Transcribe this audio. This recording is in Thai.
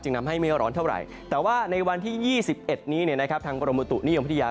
จึงทำให้ไม่ร้อนเท่าไหร่แต่ว่าในวันที่๒๑นี้ทางกรมตุนี่ห่วงพุทธิยา